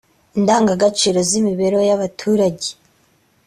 indangagaciro z’imibereho y’abaturage